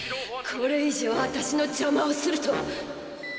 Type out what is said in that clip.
これ以上私のじゃまをすると。